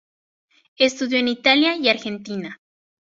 Estudió en Italia y Argentina.